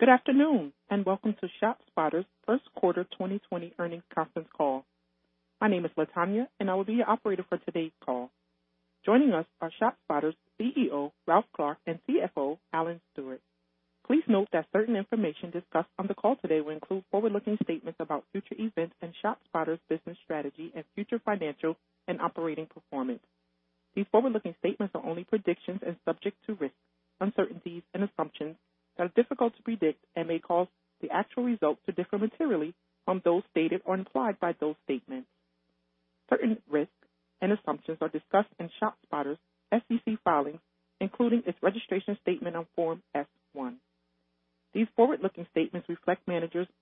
Good afternoon, and Welcome to ShotSpotter's first quarter 2020 earnings conference call. My name is Latonya, and I will be your operator for today's call. Joining us are ShotSpotter's CEO, Ralph Clark, and CFO, Alan Stewart. Please note that certain information discussed on the call today will include forward-looking statements about future events and ShotSpotter's business strategy and future financial and operating performance. These forward-looking statements are only predictions and subject to risks, uncertainties, and assumptions that are difficult to predict and may cause the actual results to differ materially from those stated or implied by those statements. Certain risks and assumptions are discussed in ShotSpotter's SEC filings, including its registration statement on Form S-1. These forward-looking statements reflect management's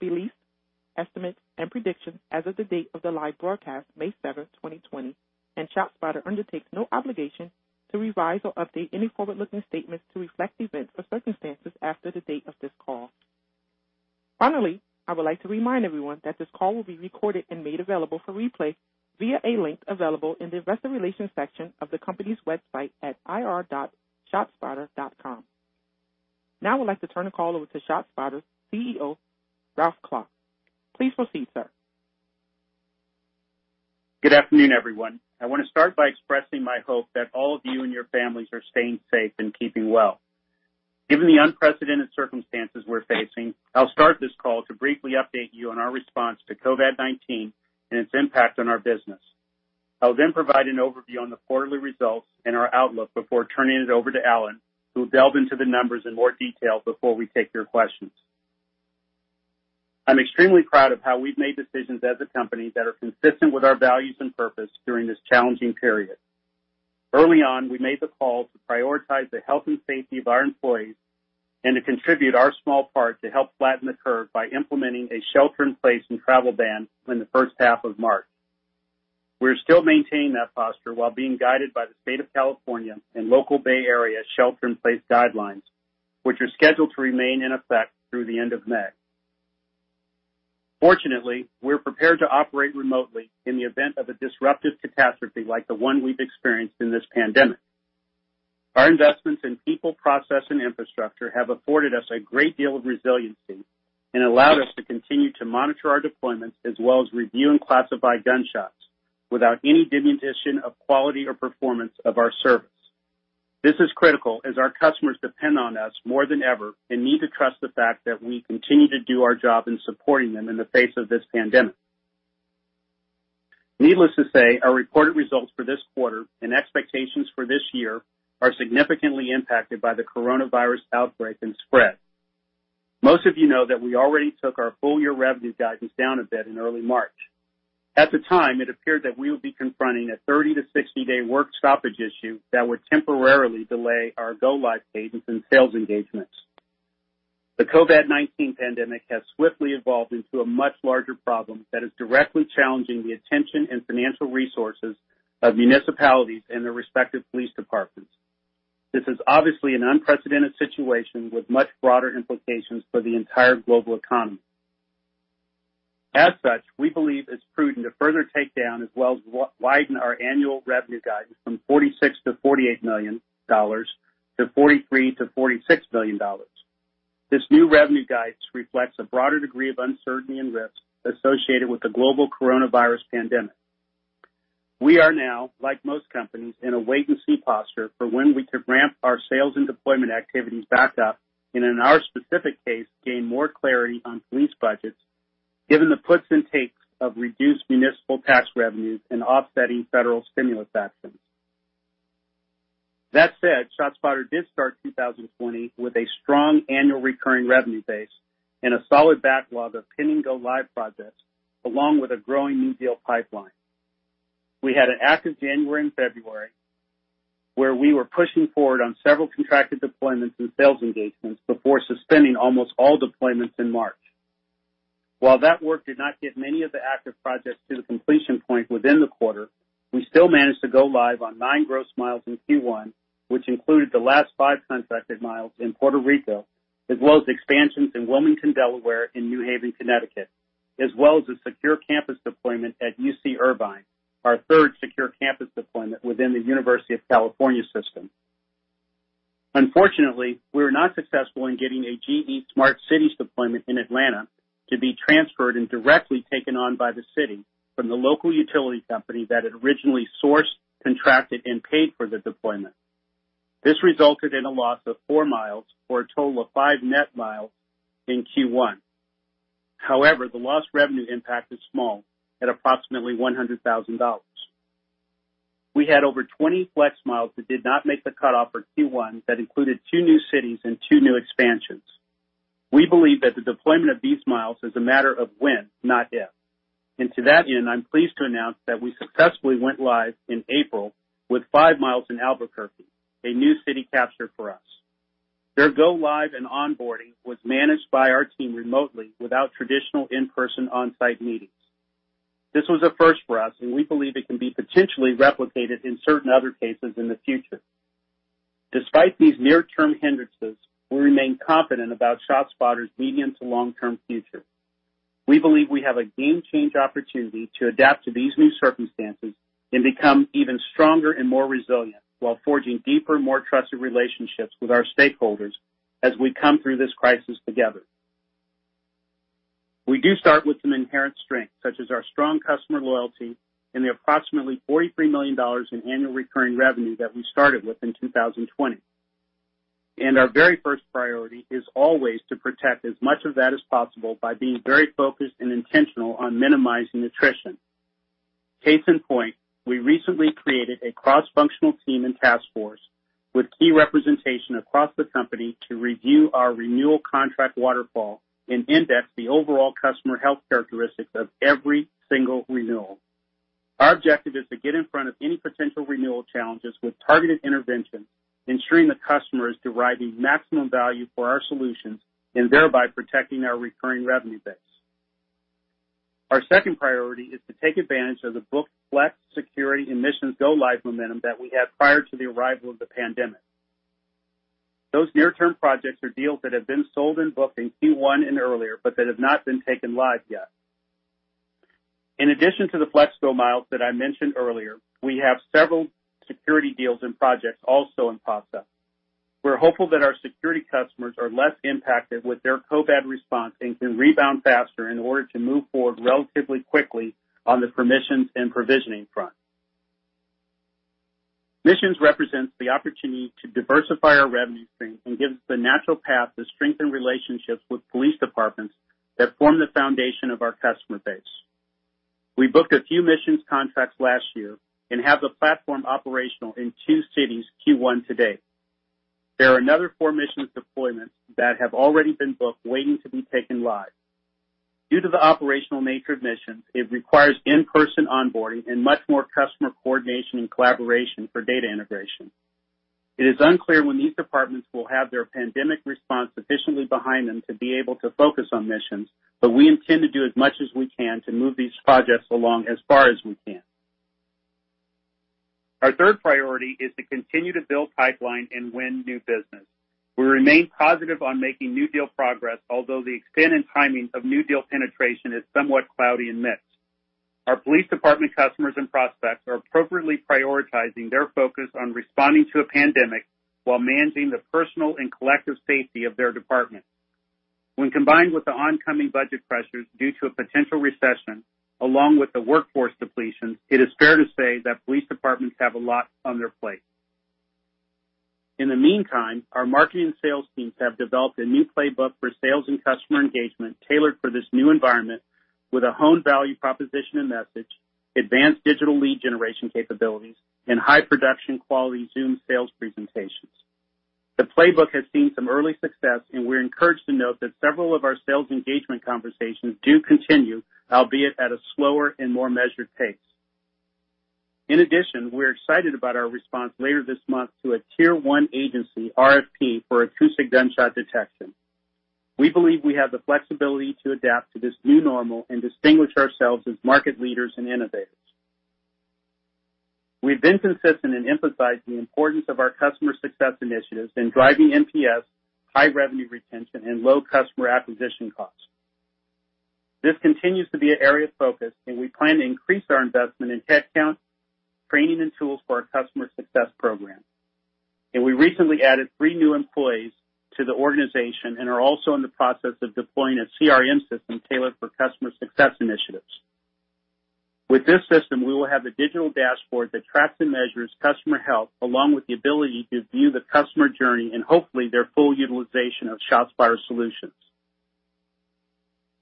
beliefs, estimates, and predictions as of the date of the live broadcast, May 7th, 2020, and ShotSpotter undertakes no obligation to revise or update any forward-looking statements to reflect events or circumstances after the date of this call. Finally, I would like to remind everyone that this call will be recorded and made available for replay via a link available in the investor relations section of the company's website at ir.shotspotter.com. Now I would like to turn the call over to ShotSpotter's CEO, Ralph Clark. Please proceed, sir. Good afternoon, everyone. I want to start by expressing my hope that all of you and your families are staying safe and keeping well. Given the unprecedented circumstances we're facing, I'll start this call to briefly update you on our response to COVID-19 and its impact on our business. I'll then provide an overview on the quarterly results and our outlook before turning it over to Alan, who will delve into the numbers in more detail before we take your questions. I'm extremely proud of how we've made decisions as a company that are consistent with our values and purpose during this challenging period. Early on, we made the call to prioritize the health and safety of our employees and to contribute our small part to help flatten the curve by implementing a shelter-in-place and travel ban in the first half of March. We're still maintaining that posture while being guided by the state of California and local Bay Area shelter-in-place guidelines, which are scheduled to remain in effect through the end of May. Fortunately, we're prepared to operate remotely in the event of a disruptive catastrophe like the one we've experienced in this pandemic. Our investments in people, process, and infrastructure have afforded us a great deal of resiliency and allowed us to continue to monitor our deployments as well as review and classify gunshots without any diminution of quality or performance of our service. This is critical as our customers depend on us more than ever and need to trust the fact that we continue to do our job in supporting them in the face of this pandemic. Needless to say, our reported results for this quarter and expectations for this year are significantly impacted by the coronavirus outbreak and spread. Most of you know that we already took our full-year revenue guidance down a bit in early March. At the time, it appeared that we would be confronting a 30-60-day work stoppage issue that would temporarily delay our go-live cadence and sales engagements. The COVID-19 pandemic has swiftly evolved into a much larger problem that is directly challenging the attention and financial resources of municipalities and their respective police departments. This is obviously an unprecedented situation with much broader implications for the entire global economy. As such, we believe it's prudent to further take down as well as widen our annual revenue guidance from $46 million-$48 million to $43 million-$46 million. This new revenue guidance reflects a broader degree of uncertainty and risk associated with the global coronavirus pandemic. We are now, like most companies, in a wait-and-see posture for when we could ramp our sales and deployment activities back up and, in our specific case, gain more clarity on police budgets, given the puts and takes of reduced municipal tax revenues and offsetting federal stimulus actions. That said, ShotSpotter did start 2020 with a strong annual recurring revenue base and a solid backlog of pending go-live projects, along with a growing new deal pipeline. We had an active January and February, where we were pushing forward on several contracted deployments and sales engagements before suspending almost all deployments in March. While that work did not get many of the active projects to the completion point within the quarter, we still managed to go live on nine gross miles in Q1, which included the last five contracted miles in Puerto Rico, as well as expansions in Wilmington, Delaware, and New Haven, Connecticut, as well as a secure campus deployment at UC Irvine, our third secure campus deployment within the University of California system. Unfortunately, we were not successful in getting a GE Smart Cities deployment in Atlanta to be transferred and directly taken on by the city from the local utility company that had originally sourced, contracted, and paid for the deployment. This resulted in a loss of 4 mi, or a total of five net miles in Q1. However, the lost revenue impact is small, at approximately $100,000. We had over 20 Flex miles that did not make the cutoff for Q1 that included two new cities and two new expansions. We believe that the deployment of these miles is a matter of when, not if. To that end, I'm pleased to announce that we successfully went live in April with 5 mi in Albuquerque, a new city capture for us. Their go-live and onboarding was managed by our team remotely without traditional in-person onsite meetings. This was a 1st for us, and we believe it can be potentially replicated in certain other cases in the future. Despite these near-term hindrances, we remain confident about ShotSpotter's medium to long-term future. We believe we have a game-change opportunity to adapt to these new circumstances and become even stronger and more resilient while forging deeper, more trusted relationships with our stakeholders as we come through this crisis together. We do start with some inherent strengths, such as our strong customer loyalty and the approximately $43 million in annual recurring revenue that we started with in 2020. Our very 1st priority is always to protect as much of that as possible by being very focused and intentional on minimizing attrition. Case in point, we recently created a cross-functional team and task force with key representation across the company to review our renewal contract waterfall and index the overall customer health characteristics of every single renewal. Our objective is to get in front of any potential renewal challenges with targeted intervention, ensuring the customer is deriving maximum value for our solutions, and thereby protecting our recurring revenue base. Our 2nd priority is to take advantage of the booked Flex, Security, and Missions go-live momentum that we had prior to the arrival of the pandemic. Those near-term projects are deals that have been sold and booked in Q1 and earlier, but that have not been taken live yet. In addition to the Flex go-lives that I mentioned earlier, we have several security deals and projects also in process. We're hopeful that our security customers are less impacted with their COVID response and can rebound faster in order to move forward relatively quickly on the permissions and provisioning front. Missions represents the opportunity to diversify our revenue stream and gives the natural path to strengthen relationships with police departments that form the foundation of our customer base. We booked a few Missions contracts last year and have the platform operational in two cities Q1 to date. There are another four Missions deployments that have already been booked waiting to be taken live. Due to the operational nature of Missions, it requires in-person onboarding and much more customer coordination and collaboration for data integration. It is unclear when these departments will have their pandemic response sufficiently behind them to be able to focus on Missions, but we intend to do as much as we can to move these projects along as far as we can. Our 3rd priority is to continue to build pipeline and win new business. We remain positive on making new deal progress, although the extent and timing of new deal penetration is somewhat cloudy and mixed. Our police department customers and prospects are appropriately prioritizing their focus on responding to a pandemic while managing the personal and collective safety of their department. When combined with the oncoming budget pressures due to a potential recession, along with the workforce depletion, it is fair to say that police departments have a lot on their plate. In the meantime, our marketing sales teams have developed a new playbook for sales and customer engagement tailored for this new environment with a honed value proposition and message, advanced digital lead generation capabilities, and high production quality Zoom sales presentations. The playbook has seen some early success, and we're encouraged to note that several of our sales engagement conversations do continue, albeit at a slower and more measured pace. In addition, we're excited about our response later this month to a tier 1 agency RFP for acoustic gunshot detection. We believe we have the flexibility to adapt to this new normal and distinguish ourselves as market leaders and innovators. We've been consistent in emphasizing the importance of our customer success initiatives in driving NPS, high revenue retention, and low customer acquisition costs. This continues to be an area of focus. We plan to increase our investment in headcount, training, and tools for our customer success program. We recently added three new employees to the organization and are also in the process of deploying a CRM system tailored for customer success initiatives. With this system, we will have a digital dashboard that tracks and measures customer health along with the ability to view the customer journey and hopefully their full utilization of ShotSpotter solutions.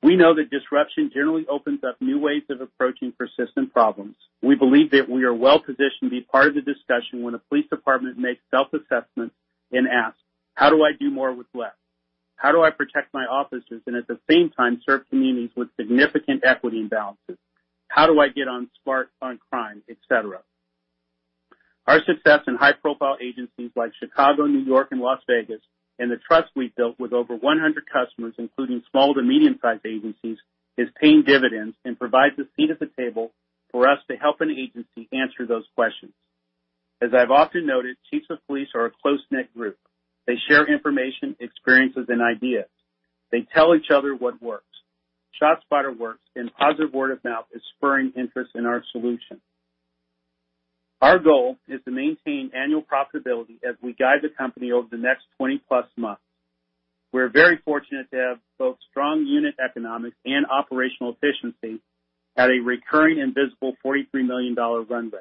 We know that disruption generally opens up new ways of approaching persistent problems. We believe that we are well-positioned to be part of the discussion when a police department makes self-assessments and asks: How do I do more with less? How do I protect my officers and at the same time serve communities with significant equity imbalances? How do I get on smart on crime, et cetera? Our success in high-profile agencies like Chicago, New York, and Las Vegas, and the trust we've built with over 100 customers, including small to medium-sized agencies, is paying dividends and provides a seat at the table for us to help an agency answer those questions. As I've often noted, chiefs of police are a close-knit group. They share information, experiences, and ideas. They tell each other what works. ShotSpotter works. Positive word of mouth is spurring interest in our solution. Our goal is to maintain annual profitability as we guide the company over the next 20+ months. We're very fortunate to have both strong unit economics and operational efficiency at a recurring and visible $43 million runway.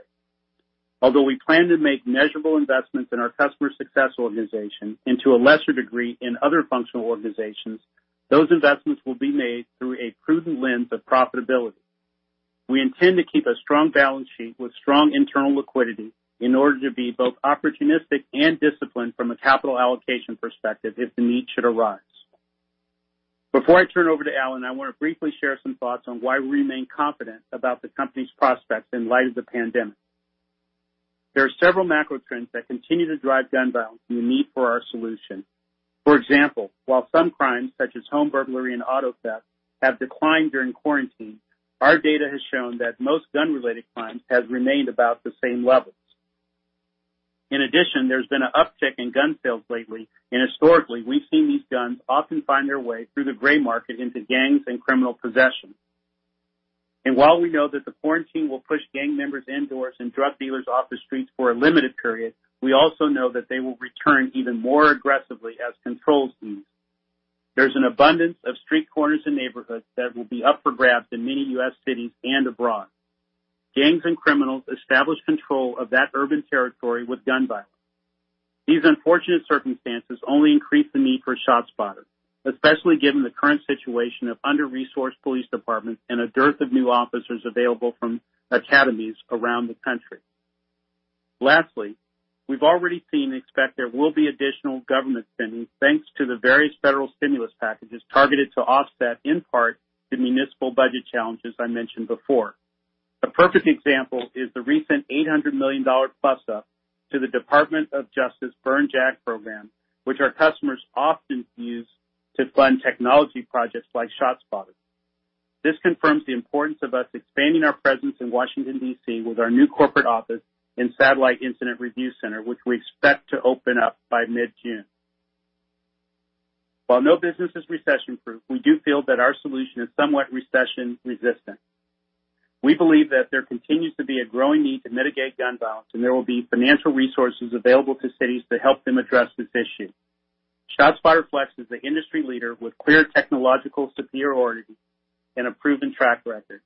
Although we plan to make measurable investments in our customer success organization and to a lesser degree in other functional organizations, those investments will be made through a prudent lens of profitability. We intend to keep a strong balance sheet with strong internal liquidity in order to be both opportunistic and disciplined from a capital allocation perspective if the need should arise. Before I turn over to Alan, I want to briefly share some thoughts on why we remain confident about the company's prospects in light of the pandemic. There are several macro trends that continue to drive gun violence and the need for our solution. For example, while some crimes, such as home burglary and auto theft, have declined during quarantine, our data has shown that most gun-related crimes have remained about the same level. In addition, there's been an uptick in gun sales lately, and historically, we've seen these guns often find their way through the gray market into gangs and criminal possession. While we know that the quarantine will push gang members indoors and drug dealers off the streets for a limited period, we also know that they will return even more aggressively as controls ease. There's an abundance of street corners and neighborhoods that will be up for grabs in many U.S. cities and abroad. Gangs and criminals establish control of that urban territory with gun violence. These unfortunate circumstances only increase the need for ShotSpotter, especially given the current situation of under-resourced police departments and a dearth of new officers available from academies around the country. We've already seen and expect there will be additional government spending thanks to the various federal stimulus packages targeted to offset, in part, the municipal budget challenges I mentioned before. A perfect example is the recent $800 million plus-up to the Department of Justice Byrne JAG program, which our customers often use to fund technology projects like ShotSpotter. This confirms the importance of us expanding our presence in Washington, D.C., with our new corporate office and satellite incident review center, which we expect to open up by mid-June. While no business is recession-proof, we do feel that our solution is somewhat recession-resistant. We believe that there continues to be a growing need to mitigate gun violence, and there will be financial resources available to cities to help them address this issue. ShotSpotter Flex is the industry leader with clear technological superiority and a proven track record.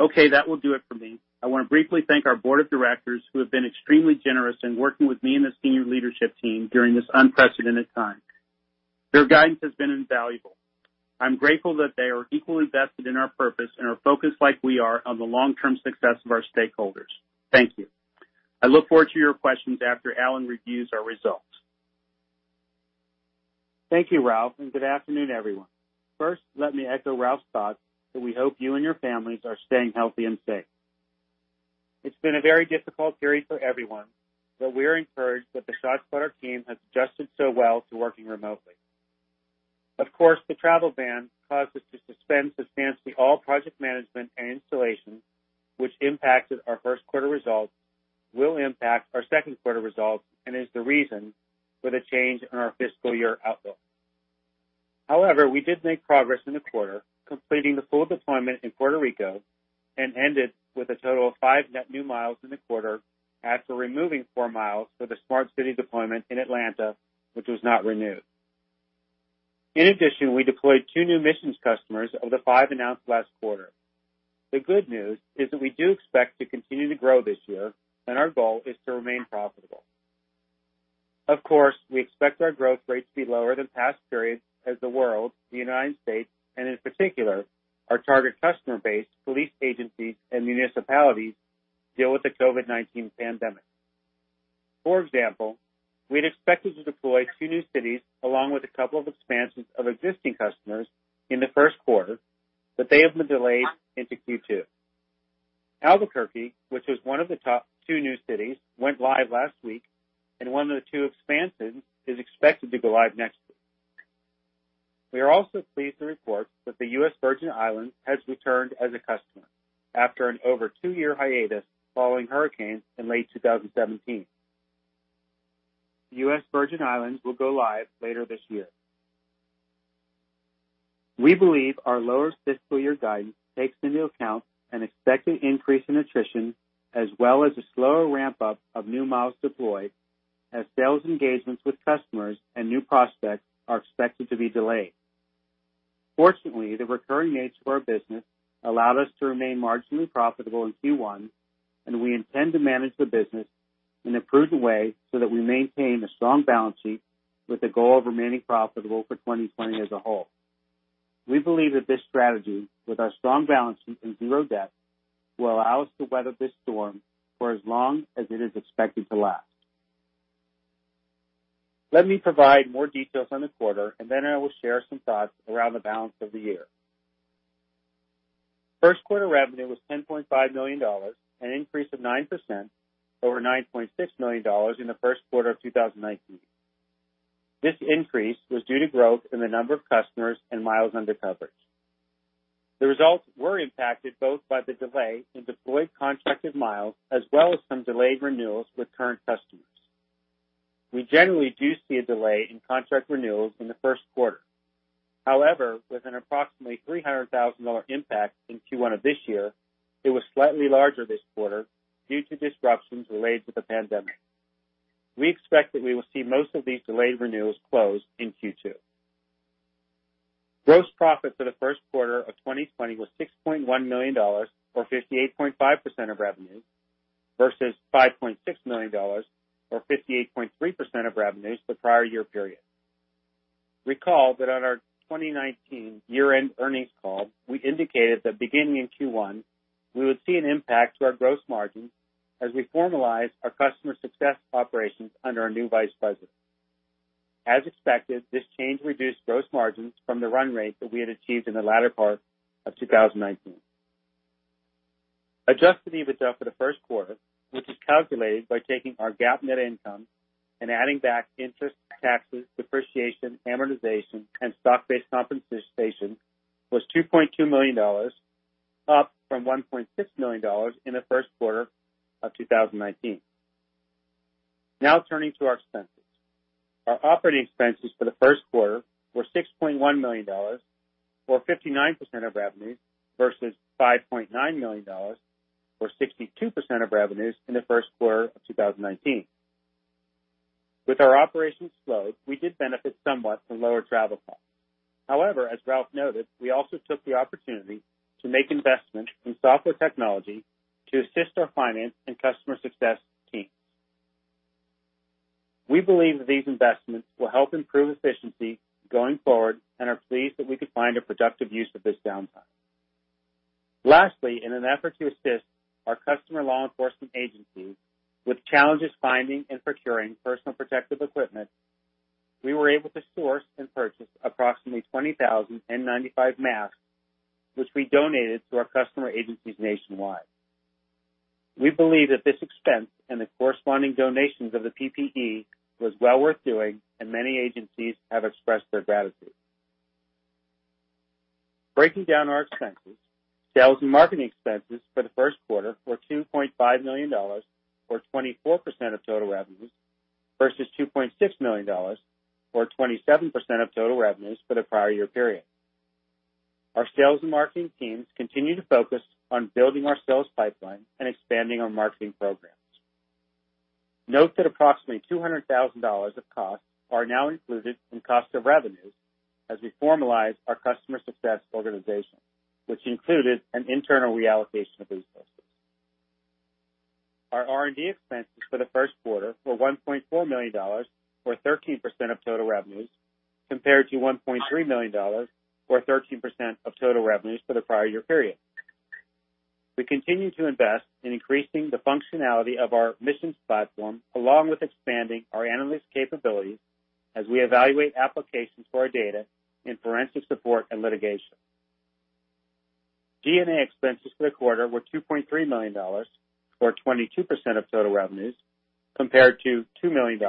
Okay, that will do it for me. I want to briefly thank our board of directors, who have been extremely generous in working with me and the senior leadership team during this unprecedented time. Their guidance has been invaluable. I'm grateful that they are equally invested in our purpose and are focused as we are on the long-term success of our stakeholders. Thank you. I look forward to your questions after Alan reviews our results. Thank you, Ralph, and good afternoon, everyone. 1st, let me echo Ralph's thoughts that we hope you and your families are staying healthy and safe. It's been a very difficult period for everyone, but we are encouraged that the ShotSpotter team has adjusted so well to working remotely. Of course, the travel ban caused us to suspend substantially all project management and installation, which impacted our first quarter results, will impact our second quarter results, and is the reason for the change in our fiscal year outlook. However, we did make progress in the quarter, completing the full deployment in Puerto Rico, and ended with a total of five net new miles in the quarter after removing 4 mi for the smart city deployment in Atlanta, which was not renewed. In addition, we deployed two new Missions customers of the five announced last quarter. The good news is that we do expect to continue to grow this year, and our goal is to remain profitable. Of course, we expect our growth rate to be lower than past periods as the world, the U.S., and in particular, our target customer base, police agencies and municipalities, deal with the COVID-19 pandemic. For example, we had expected to deploy two new cities, along with a couple of expansions of existing customers in Q1, but they have been delayed into Q2. Albuquerque, which was one of the top two new cities, went live last week, and one of the two expansions is expected to go live next week. We are also pleased to report that the U.S. Virgin Islands has returned as a customer after an over two-year hiatus following hurricanes in late 2017. U.S. Virgin Islands will go live later this year. We believe our lower fiscal year guidance takes into account an expected increase in attrition as well as a slower ramp-up of new miles deployed as sales engagements with customers and new prospects are expected to be delayed. Fortunately, the recurring nature of our business allowed us to remain marginally profitable in Q1, and we intend to manage the business in a prudent way so that we maintain a strong balance sheet with the goal of remaining profitable for 2020 as a whole. We believe that this strategy, with our strong balance sheet and zero debt, will allow us to weather this storm for as long as it is expected to last. Let me provide more details on the quarter, and then I will share some thoughts around the balance of the year. First quarter revenue was $10.5 million, an increase of 9% over $9.6 million in the first quarter of 2019. This increase was due to growth in the number of customers and miles under coverage. The results were impacted both by the delay in deployed contracted miles as well as some delayed renewals with current customers. We generally do see a delay in contract renewals in the first quarter. However, with an approximately $300,000 impact in Q1 of this year, it was slightly larger this quarter due to disruptions related to the pandemic. We expect that we will see most of these delayed renewals close in Q2. Gross profit for the first quarter of 2020 was $6.1 million, or 58.5% of revenue, versus $5.6 million, or 58.3% of revenues, the prior year period. Recall that at our 2019 year-end earnings call, we indicated that beginning in Q1, we would see an impact to our gross margin as we formalized our customer success operations under our new Vice President. As expected, this change reduced gross margins from the run rate that we had achieved in the latter part of 2019. Adjusted EBITDA for the first quarter, which is calculated by taking our GAAP net income and adding back interest, taxes, depreciation, amortization, and stock-based compensation, was $2.2 million up from $1.6 million in the first quarter of 2019. Now turning to our expenses. Our operating expenses for the first quarter were $6.1 million, or 59% of revenues, versus $5.9 million, or 62% of revenues in the first quarter of 2019. With our operations slowed, we did benefit somewhat from lower travel costs. However, as Ralph noted, we also took the opportunity to make investments in software technology to assist our finance and customer success teams. We believe that these investments will help improve efficiency going forward and are pleased that we could find a productive use of this downtime. Lastly, in an effort to assist our customer law enforcement agencies with challenges finding and procuring personal protective equipment, we were able to source and purchase approximately 20,000 N95 masks, which we donated to our customer agencies nationwide. We believe that this expense and the corresponding donations of the PPE was well worth doing, and many agencies have expressed their gratitude. Breaking down our expenses, sales and marketing expenses for the first quarter were $2.5 million, or 24% of total revenues, versus $2.6 million, or 27% of total revenues for the prior year period. Our sales and marketing teams continue to focus on building our sales pipeline and expanding our marketing programs. Note that approximately $200,000 of costs are now included in cost of revenues as we formalize our customer success organization, which included an internal reallocation of resources. Our R&D expenses for the first quarter were $1.4 million, or 13% of total revenues, compared to $1.3 million, or 13% of total revenues for the prior year period. We continue to invest in increasing the functionality of our Missions platform, along with expanding our analyst capabilities as we evaluate applications for our data in forensic support and litigation. G&A expenses for the quarter were $2.3 million, or 22% of total revenues, compared to $2 million,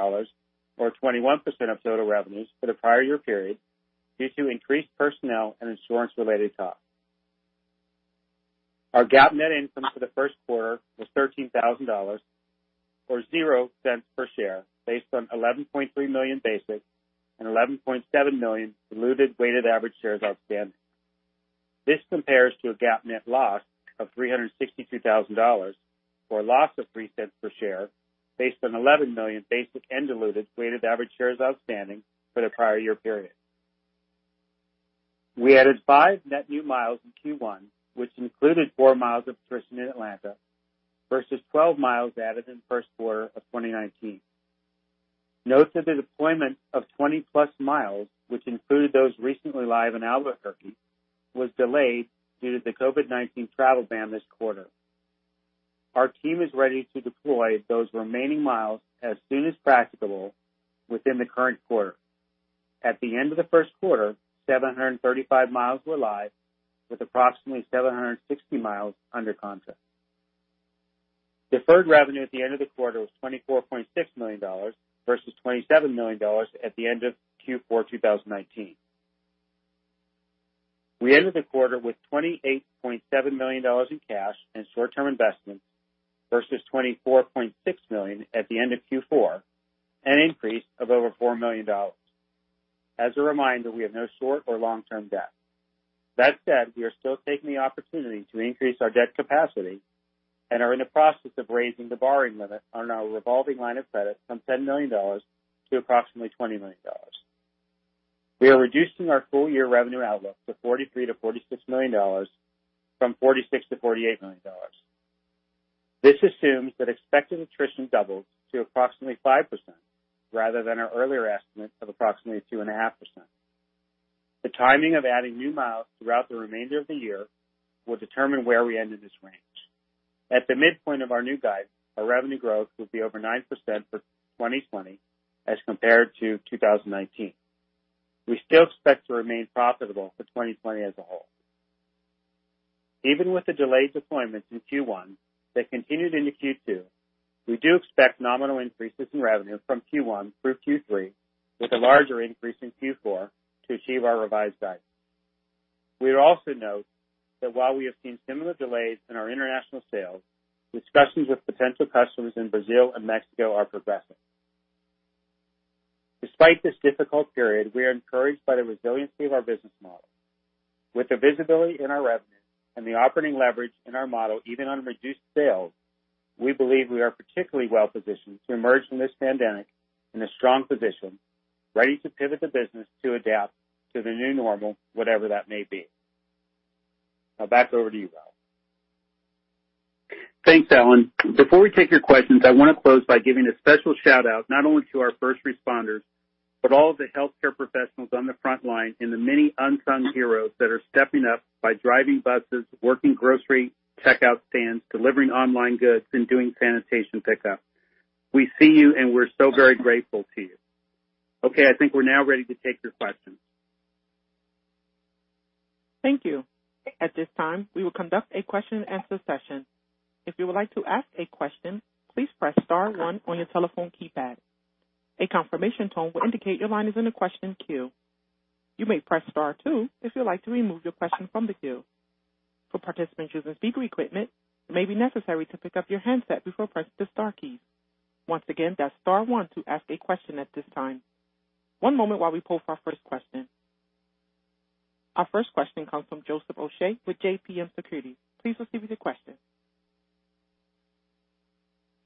or 21% of total revenues for the prior year period, due to increased personnel and insurance-related costs. Our GAAP net income for the first quarter was $13,000, or $0.00 per share, based on 11.3 million basic and 11.7 million diluted weighted average shares outstanding. This compares to a GAAP net loss of $362,000, or a loss of $0.03 per share, based on 11 million basic and diluted weighted average shares outstanding for the prior year period. We added five net new miles in Q1, which included 4 mi of attrition in Atlanta versus 12 miles added in the first quarter of 2019. Note that the deployment of 20+ miles, which included those recently live in Albuquerque, was delayed due to the COVID-19 travel ban this quarter. Our team is ready to deploy those remaining miles as soon as practicable within the current quarter. At the end of the first quarter, 735 mi were live with approximately 760 mi under contract. Deferred revenue at the end of the quarter was $24.6 million versus $27 million at the end of Q4 2019. We ended the quarter with $28.7 million in cash and short-term investments versus $24.6 million at the end of Q4, an increase of over $4 million. As a reminder, we have no short or long-term debt. That said, we are still taking the opportunity to increase our debt capacity and are in the process of raising the borrowing limit on our revolving line of credit from $10 million to approximately $20 million. We are reducing our full-year revenue outlook to $43 million-$46 million from $46 million-$48 million. This assumes that expected attrition doubles to approximately 5% rather than our earlier estimate of approximately 2.5%. The timing of adding new miles throughout the remainder of the year will determine where we end in this range. At the midpoint of our new guide, our revenue growth will be over 9% for 2020 as compared to 2019. We still expect to remain profitable for 2020 as a whole. Even with the delayed deployments in Q1 that continued into Q2, we do expect nominal increases in revenue from Q1 through Q3 with a larger increase in Q4 to achieve our revised guidance. We would also note that while we have seen similar delays in our international sales, discussions with potential customers in Brazil and Mexico are progressing. Despite this difficult period, we are encouraged by the resiliency of our business model. With the visibility in our revenue and the operating leverage in our model, even on reduced sales, we believe we are particularly well-positioned to emerge from this pandemic in a strong position, ready to pivot the business to adapt to the new normal, whatever that may be. Now back over to you, Ralph. Thanks, Alan. Before we take your questions, I want to close by giving a special shout-out not only to our 1st responders, but all of the healthcare professionals on the front line and the many unsung heroes that are stepping up by driving buses, working grocery checkout stands, delivering online goods, and doing sanitation pickup. We see you, and we're so very grateful to you. Okay, I think we're now ready to take your questions. Thank you. At this time, we will conduct a question and answer session. Our 1st question comes from Joseph Osha with JMP Securities. Please proceed with your question.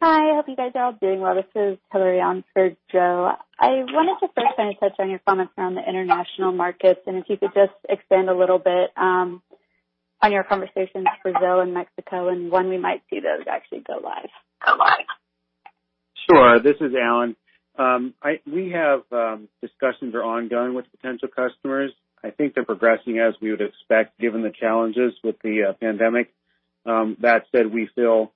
Hi, hope you guys are all doing well. This is Hillary on for Joe. I wanted to first kind of touch on your comments around the international markets, and if you could just expand a little bit on your conversations, Brazil and Mexico, and when we might see those actually go live? Sure. This is Alan. Discussions are ongoing with potential customers. I think they're progressing as we would expect, given the challenges with the pandemic. That said, we feel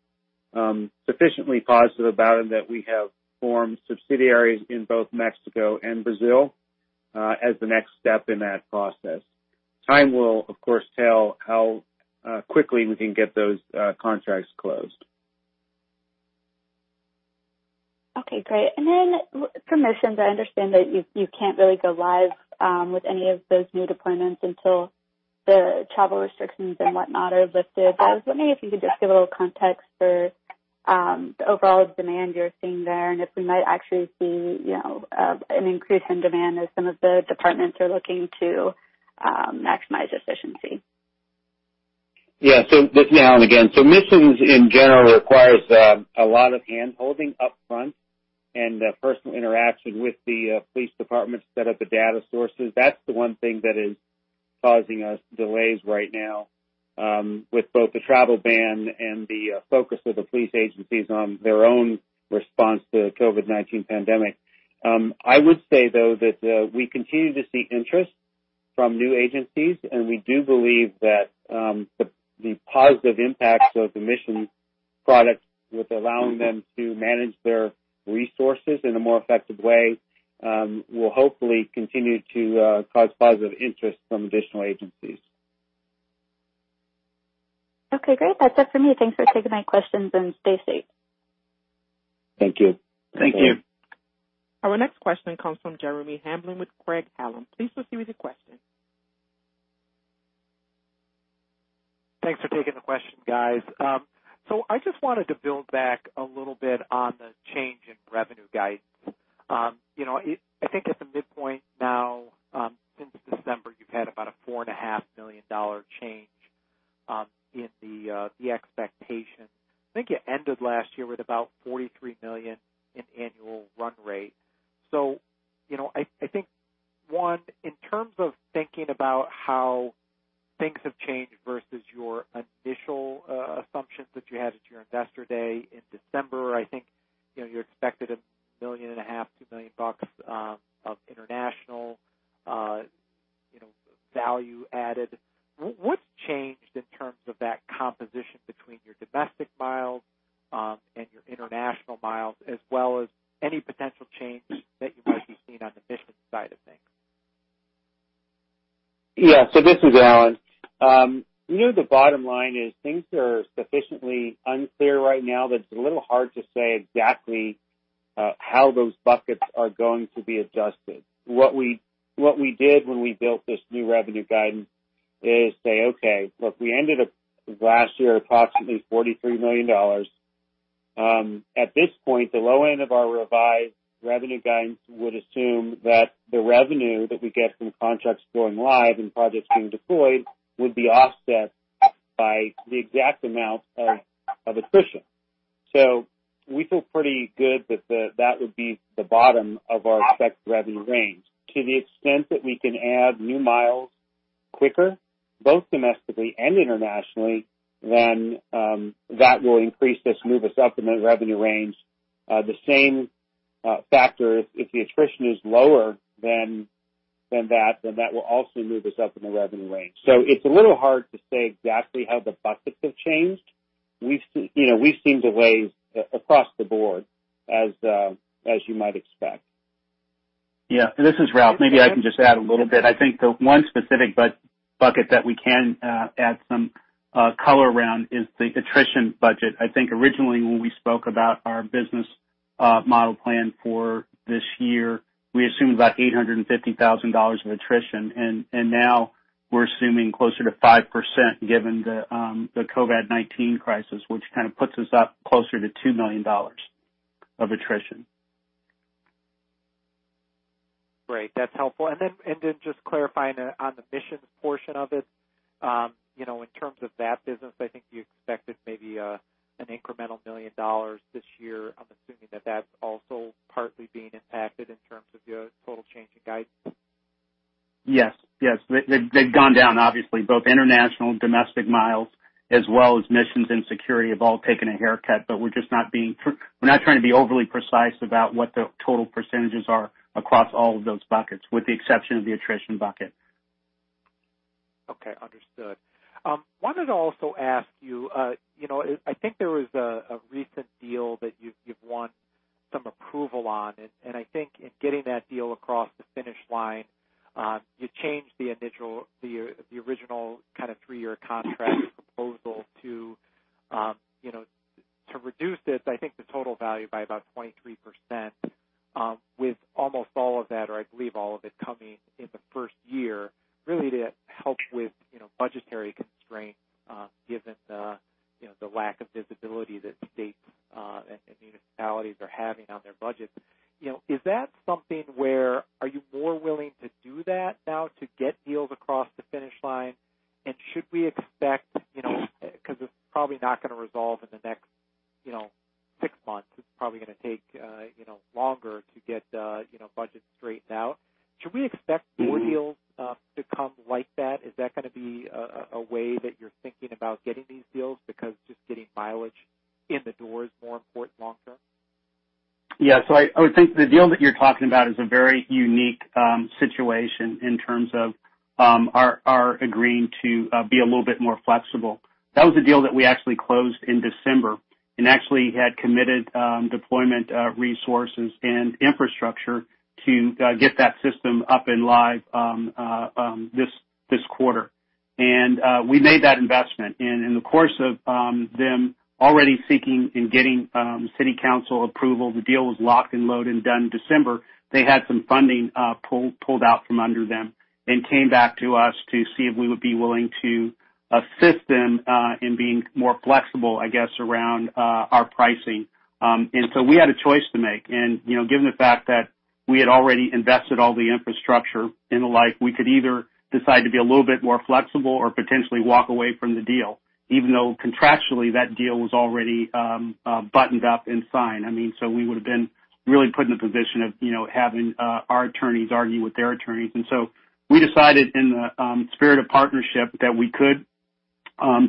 sufficiently positive about them that we have formed subsidiaries in both Mexico and Brazil as the next step in that process. Time will, of course, tell how quickly we can get those contracts closed. Okay, great. For Missions, I understand that you can't really go live with any of those new deployments until the travel restrictions and whatnot are lifted. I was wondering if you could just give a little context for the overall demand you're seeing there, and if we might actually see an increase in demand as some of the departments are looking to maximize efficiency. This is Alan again. Missions, in general, requires a lot of hand-holding upfront and personal interaction with the police department to set up the data sources. That's the one thing that is causing us delays right now with both the travel ban and the focus of the police agencies on their own response to COVID-19 pandemic. I would say, though, that we continue to see interest from new agencies, and we do believe that the positive impacts of the Missions products with allowing them to manage their resources in a more effective way will hopefully continue to cause positive interest from additional agencies. Okay, great. That's it for me. Thanks for taking my questions, and stay safe. Thank you. Our next question comes from Jeremy Hamblin with Craig-Hallum. Please proceed with your question. Thanks for taking the question, guys. I just wanted to build back a little bit on the change in revenue guidance. I think at the midpoint now since December, you've had about a $4.5 million change in the expectation. I think you ended last year with about $43 million in annual run rate. I think, one, in terms of thinking about how things have changed versus your initial assumptions that you had at your investor day in December, I think you expected a million and a half, $2 million of international value added. What's changed in terms of that composition between your domestic miles and your international miles, as well as any potential change that you might be seeing on the Missions side of things? Yeah. This is Alan. The bottom line is things are sufficiently unclear right now that it's a little hard to say exactly how those buckets are going to be adjusted. What we did when we built this new revenue guidance is say, okay, look, we ended up last year approximately $43 million. At this point, the low end of our revised revenue guidance would assume that the revenue that we get from contracts going live and projects being deployed would be offset by the exact amount of attrition. We feel pretty good that would be the bottom of our expected revenue range. To the extent that we can add new miles quicker, both domestically and internationally, that will increase this, move us up in the revenue range. The same factor if the attrition is lower than that, then that will also move us up in the revenue range. It's a little hard to say exactly how the buckets have changed. We've seen delays across the board as you might expect. Yeah. This is Ralph. Maybe I can just add a little bit. I think the one specific bucket that we can add some color around is the attrition budget. I think originally when we spoke about our business model plan for this year, we assumed about $850,000 of attrition, and now we're assuming closer to 5% given the COVID-19 crisis, which kind of puts us up closer to $2 million of attrition. Great. That's helpful. Just clarifying on the Missions portion of it. In terms of that business, I think you expected maybe an incremental $1 million this year. I'm assuming that that's also partly being impacted in terms of your total change in guidance. Yes. They've gone down, obviously, both international and domestic miles as well as Missions and security have all taken a haircut. We're not trying to be overly precise about what the total percentages are across all of those buckets, with the exception of the attrition bucket. Okay. Understood. Wanted to also ask you, I think there was a recent deal that you've won some approval on. I think in getting that deal across the finish line you changed the original kind of three-year contract proposal to reduce this, I think the total value by about 23%, with almost all of that, or I believe all of it coming in the 1st year, really to help with budgetary constraints, given the lack of visibility that states and municipalities are having on their budgets. Is that something where are you more willing to do that now to get deals across the finish line? Should we expect, because it's probably not going to resolve in the next six months, it's probably going to take longer to get budgets straightened out. Should we expect more deals to come like that? Is that going to be a way that you're thinking about getting these deals because just getting mileage in the door is more important long term? I would think the deal that you're talking about is a very unique situation in terms of our agreeing to be a little bit more flexible. That was a deal that we actually closed in December and actually had committed deployment resources and infrastructure to get that system up and live this quarter. We made that investment. In the course of them already seeking and getting city council approval, the deal was locked and loaded and done December, they had some funding pulled out from under them and came back to us to see if we would be willing to assist them in being more flexible, I guess, around our pricing. We had a choice to make. Given the fact that we had already invested all the infrastructure and the like, we could either decide to be a little bit more flexible or potentially walk away from the deal, even though contractually that deal was already buttoned up and signed. We would have been really put in the position of having our attorneys argue with their attorneys. We decided in the spirit of partnership that we could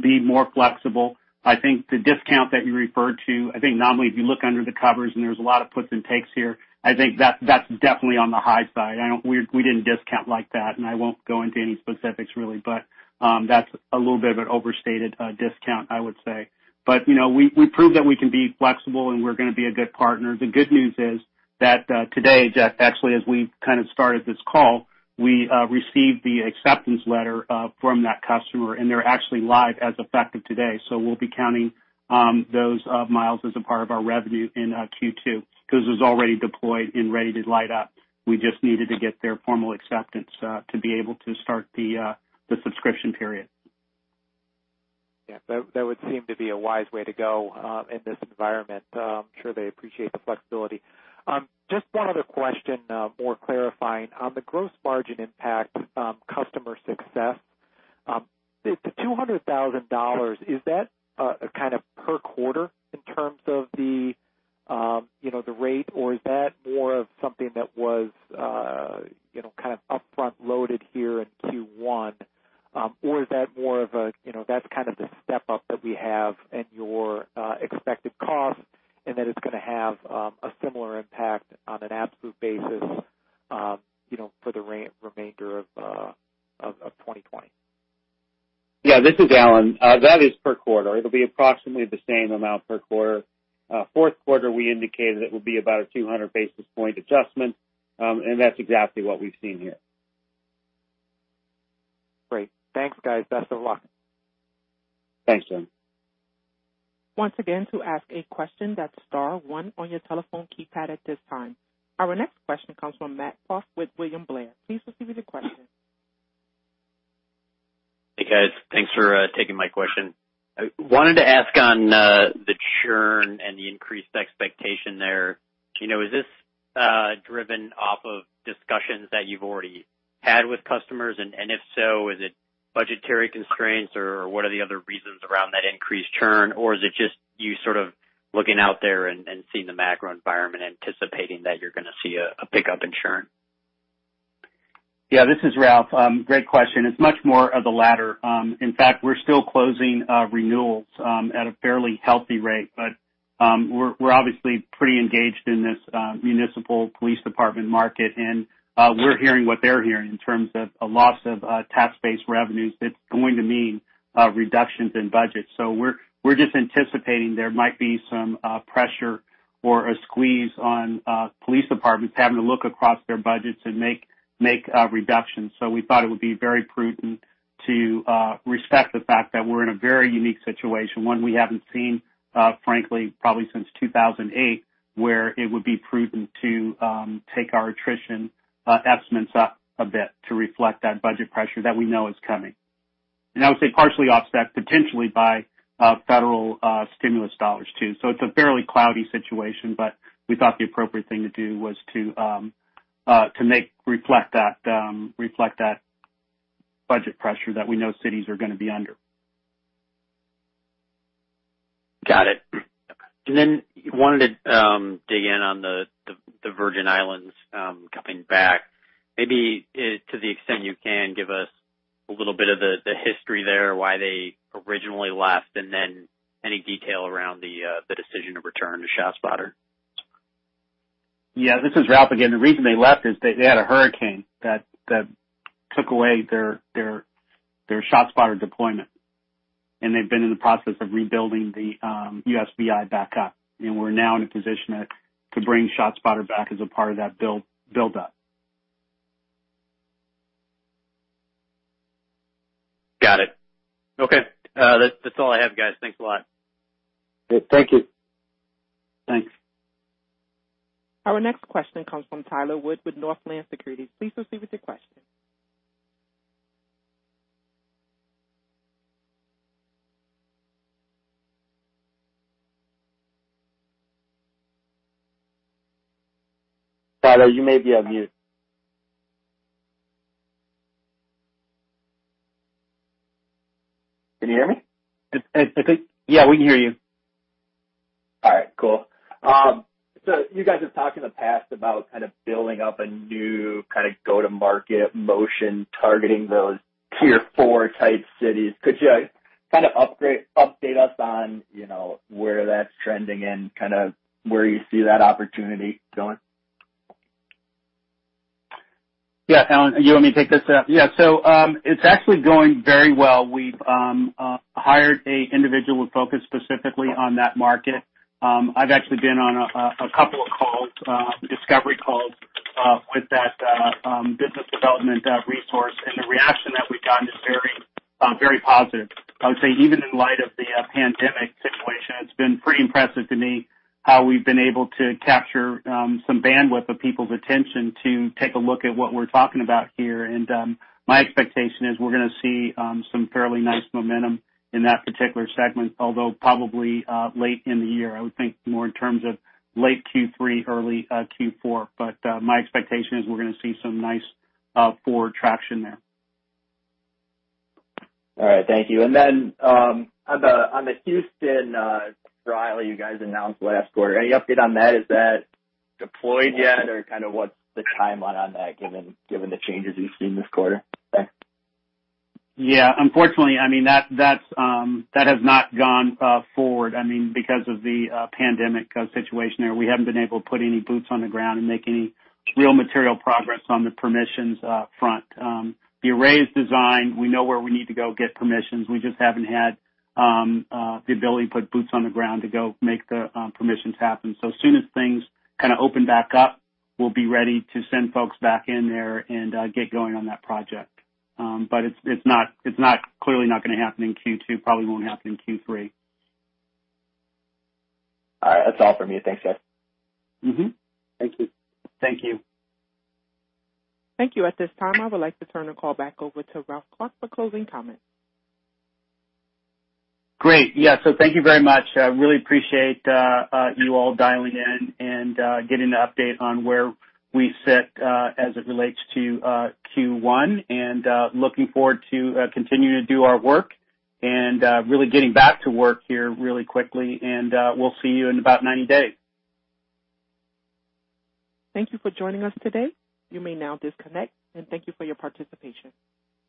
be more flexible. I think the discount that you referred to, I think nominally, if you look under the covers and there's a lot of puts and takes here, I think that's definitely on the high side. We didn't discount like that, and I won't go into any specifics really, but that's a little bit of an overstated discount, I would say. We proved that we can be flexible and we're going to be a good partner. The good news is that today, Jeff, actually, as we kind of started this call, we received the acceptance letter from that customer, and they're actually live as effective today. We'll be counting those miles as a part of our revenue in Q2 because it was already deployed and ready to light up. We just needed to get their formal acceptance to be able to start the subscription period. Yeah. That would seem to be a wise way to go in this environment. I'm sure they appreciate the flexibility. Just one other question, more clarifying. On the gross margin impact customer success, the $200,000, is that kind of per quarter in terms of the rate, or is that more of something that was upfront loaded here in Q1? Or is that more of a, that's kind of the step-up that we have in your expected cost, and that it's going to have a similar impact on an absolute basis for the remainder of 2020? Yeah. This is Alan. That is per quarter. It'll be approximately the same amount per quarter. Fourth quarter, we indicated it would be about a 200 basis point adjustment. That's exactly what we've seen here. Great. Thanks, guys. Best of luck. Thanks, Jim. Once again, to ask a question, that is star one on your telephone keypad at this time. Our next question comes from Matt Hoff with William Blair. Please proceed with your question. Hey, guys. Thanks for taking my question. I wanted to ask on the churn and the increased expectation there. Is this driven off of discussions that you've already had with customers? If so, is it budgetary constraints, or what are the other reasons around that increased churn? Is it just you sort of looking out there and seeing the macro environment, anticipating that you're going to see a pickup in churn? Yeah, this is Ralph. Great question. It's much more of the latter. In fact, we're still closing renewals at a fairly healthy rate, but we're obviously pretty engaged in this municipal police department market, and we're hearing what they're hearing in terms of a loss of tax-based revenues that's going to mean reductions in budgets. We thought it would be very prudent to respect the fact that we're in a very unique situation, one we haven't seen, frankly, probably since 2008, where it would be prudent to take our attrition estimates up a bit to reflect that budget pressure that we know is coming. I would say partially offset potentially by federal stimulus dollars too. It's a fairly cloudy situation, but we thought the appropriate thing to do was to reflect that budget pressure that we know cities are going to be under. Got it. Wanted to dig in on the Virgin Islands coming back. Maybe to the extent you can, give us a little bit of the history there, why they originally left, any detail around the decision to return to ShotSpotter. Yeah. This is Ralph again. The reason they left is they had a hurricane that took away their ShotSpotter deployment. They've been in the process of rebuilding the USVI back up, and we're now in a position to bring ShotSpotter back as a part of that build up. Got it. Okay. That's all I have, guys. Thanks a lot. Thank you. Thanks. Our next question comes from Tyler Wood with Northland Securities. Please proceed with your question. Tyler, you may be on mute. Can you hear me? Yeah, we can hear you. All right, cool. You guys have talked in the past about kind of building up a new go-to-market motion targeting those tier 4 type cities. Could you kind of update us on where that's trending and where you see that opportunity going? Alan, you want me to take this? Yeah. It's actually going very well. We've hired a individual with focus specifically on that market. I've actually been on a couple of calls, discovery calls, with that business development resource. The reaction that we've gotten is very positive. I would say even in light of the pandemic situation, it's been pretty impressive to me how we've been able to capture some bandwidth of people's attention to take a look at what we're talking about here. My expectation is we're going to see some fairly nice momentum in that particular segment, although probably late in the year. I would think more in terms of late Q3, early Q4. My expectation is we're going to see some nice forward traction there. All right. Thank you. On the Houston trial you guys announced last quarter. Any update on that? Is that deployed yet? Kind of what's the timeline on that, given the changes you've seen this quarter there? Yeah. Unfortunately, that has not gone forward. Because of the pandemic situation there, we haven't been able to put any boots on the ground and make any real material progress on the permissions front. The array is designed. We know where we need to go get permissions. We just haven't had the ability to put boots on the ground to go make the permissions happen. As soon as things kind of open back up, we'll be ready to send folks back in there and get going on that project. It's clearly not going to happen in Q2, probably won't happen in Q3. All right. That's all from me. Thanks, guys. Thank you. Thank you. Thank you. At this time, I would like to turn the call back over to Ralph Clark for closing comments. Great. Yeah. Thank you very much. I really appreciate you all dialing in and getting the update on where we sit as it relates to Q1. Looking forward to continuing to do our work and really getting back to work here really quickly. We'll see you in about 90 days. Thank you for joining us today. You may now disconnect, and thank you for your participation.